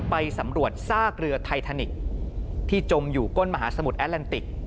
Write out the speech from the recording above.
ไปสำรวจซากเรือไททานิกส์ที่จมอยู่ก้นมหาสมุทรแอลันติก